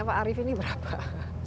pak arief ini berapa